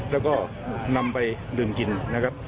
แล้วก็นำไปดื่มกินนะครับ